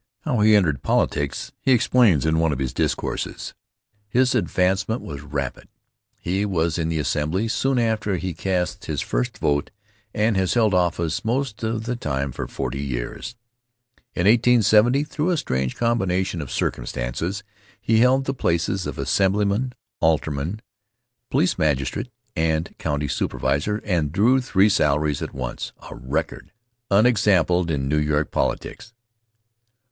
How he entered politics he explains in one of his discourses. His advancement was rapid. He was in the Assembly soon after he cast his first vote and has held office most of the time for forty years. In 1870, through a strange combination of circumstances, he held the places of Assemblyman, Alderman, Police Magistrate and County Supervisor and drew three salaries at once a record unexampled in New York politics.